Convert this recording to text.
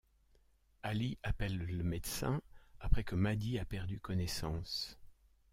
Ally appelle le médecin après que Maddie a perdu connaissance.